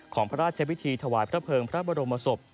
พระราชวิธีถวายพระเภิงพระบรมศพ